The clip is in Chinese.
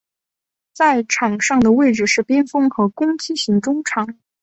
在场上的位置是边锋和攻击型中场。